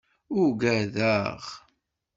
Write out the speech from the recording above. Ugadeɣ.